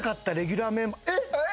えっ！？